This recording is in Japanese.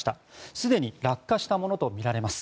すでに落下したものとみられます。